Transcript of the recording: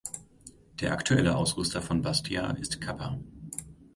Der aktuelle Ausrüster von Bastia ist Kappa.